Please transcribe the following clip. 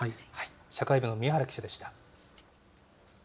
社会部の宮原記者でした。